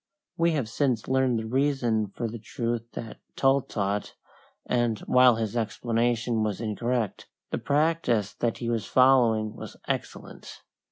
We have since learned the reason for the truth that Tull taught, and, while his explanation was incorrect, the practice that he was following was excellent.